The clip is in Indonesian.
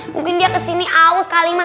mungkin dia kesini aus kali mak